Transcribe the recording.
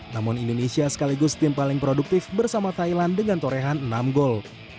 namun indonesia sekaligus tim paling produktif bersama thailand dengan torehan enam gol